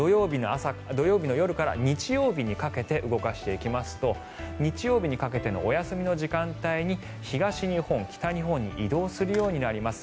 土曜日の夜から日曜日にかけて動かしていきますと日曜日にかけてのお休みの時間帯に東日本、北日本に移動するようになります。